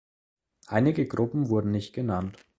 Einige Gruppen wurden nicht genannt.